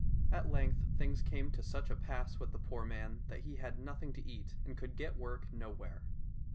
At length things came to such a pass with the poor man that he had nothing to eat, and could get work nowhere.